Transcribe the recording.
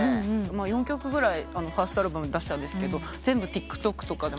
４曲ぐらいファーストアルバムで出したんですけど全部ＴｉｋＴｏｋとかで。